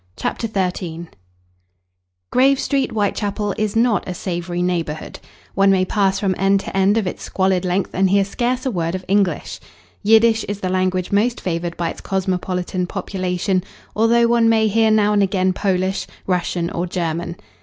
CHAPTER XIII Grave Street, Whitechapel, is not a savoury neighbourhood. One may pass from end to end of its squalid length and hear scarce a word of English. Yiddish is the language most favoured by its cosmopolitan population, although one may hear now and again Polish, Russian, or German.